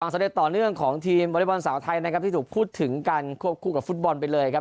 สำเร็จต่อเนื่องของทีมวอเล็กบอลสาวไทยนะครับที่ถูกพูดถึงกันควบคู่กับฟุตบอลไปเลยครับ